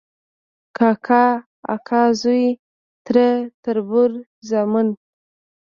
کاکا، اکا زوی ، تره، تربور، زامن ،